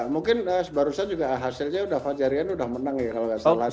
mungkin sebarusan juga hasilnya fajarian udah menang ya kalau nggak salah